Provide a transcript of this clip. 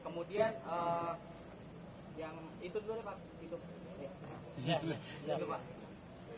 kemudian yang itu dulu pak